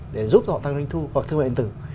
để giúp cho họ tăng doanh thu hoặc thương mệnh tử